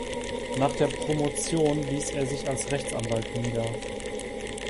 Nach der Promotion ließ er sich als Rechtsanwalt nieder.